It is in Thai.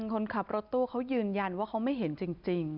คนขับรถตู้เขายืนยันว่าเขาไม่เห็นจริง